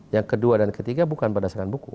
yang kedua dan ketiga bukan berdasarkan buku